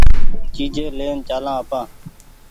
چيجي لين چآلآن آپان